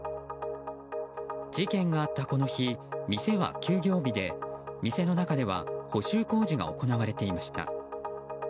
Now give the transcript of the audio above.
事件があったこの日店は休業日で店の中では補修工事が行われていました。